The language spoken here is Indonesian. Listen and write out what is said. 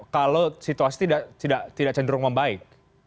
kalau situasi tidak cenderung membaik